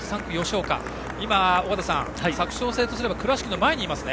尾方さん、佐久長聖とすれば倉敷の前にいますね。